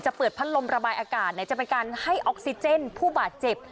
เปิดพัดลมระบายอากาศไหนจะเป็นการให้ออกซิเจนผู้บาดเจ็บ